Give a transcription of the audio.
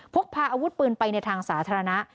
พกพาอาวุธปืนไปในทางสาธารณะ